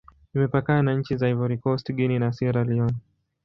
Imepakana na nchi za Ivory Coast, Guinea, na Sierra Leone.